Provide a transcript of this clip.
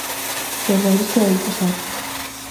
Xornalista e empresario.